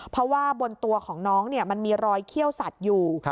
เพราะว่าบนตัวของน้องมันมีรอยเขี้ยวสัตว์อยู่